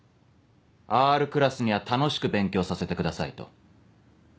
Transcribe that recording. Ｒクラスには楽しく勉強させてくださいと。